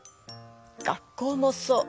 学校もそう。